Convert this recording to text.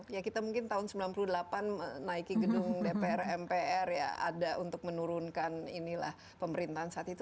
ya kita mungkin tahun sembilan puluh delapan menaiki gedung dpr mpr ya ada untuk menurunkan inilah pemerintahan saat itu